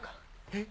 えっ？